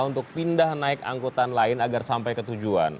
untuk pindah naik angkutan lain agar sampai ke tujuan